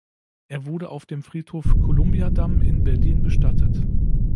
Er wurde auf dem Friedhof Columbiadamm in Berlin bestattet.